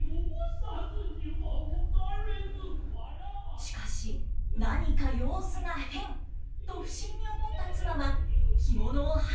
しかし何か様子が変と不審に思った妻は着物をはいでしまいます。